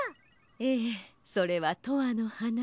ええそれは「とわのはな」。